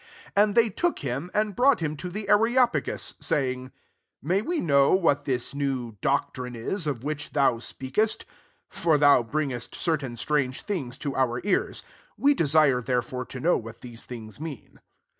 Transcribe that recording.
19 And they took him, and brought him to the Areopagus,* saying, « May we know what this new doctrine w, of which tbo\i speakest? For thou bringest certain strange things to our ears: we desire therefore to know what these things mean."